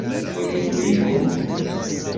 olimpiko